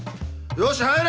よし入れ！